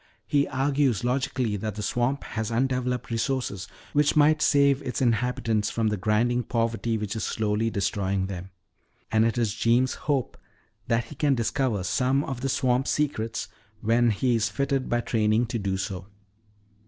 He argues logically that the swamp has undeveloped resources which might save its inhabitants from the grinding poverty which is slowly destroying them. And it is Jeems' hope that he can discover some of the swamp secrets when he is fitted by training to do so."